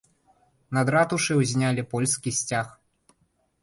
Над ратушай узнялі польскі сцяг.